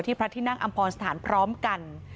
ที่พระทินั่งอำพลสถานพร้อมกัน